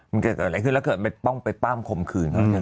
มันเกิดอะไรขึ้นแล้วเกิดไปป้องไปป้ามคมคืน